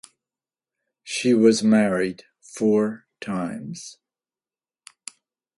She was married four times.